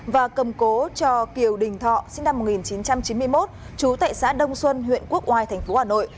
và cầm cố cho kiều đình thọ sinh năm một nghìn chín trăm chín mươi một trú tại xã đông xuân huyện quốc oai tp hà nội